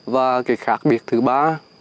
và cái khác biệt thứ ba